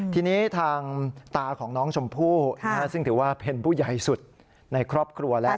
ทีนี้ทางตาของน้องชมพู่ซึ่งถือว่าเป็นผู้ใหญ่สุดในครอบครัวแล้ว